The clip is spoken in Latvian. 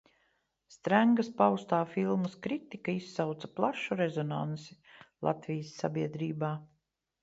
Strengas paustā filmas kritika izsauca plašu rezonansi Latvijas sabiedrībā.